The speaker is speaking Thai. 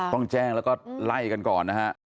ต้องแจ้งแล้วก็ไล่กันก่อนนะฮะ